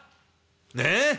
ねえ！